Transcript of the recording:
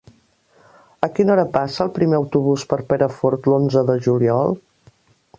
A quina hora passa el primer autobús per Perafort l'onze de juliol?